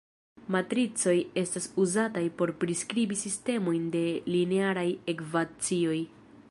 Matricoj estas uzataj por priskribi sistemojn de linearaj ekvacioj.